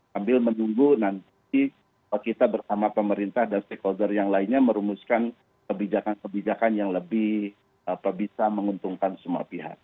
sambil menunggu nanti kita bersama pemerintah dan stakeholder yang lainnya merumuskan kebijakan kebijakan yang lebih bisa menguntungkan semua pihak